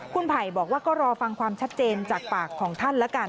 คุณไผ่บอกว่าก็รอฟังความชัดเจนจากปากของท่านแล้วกัน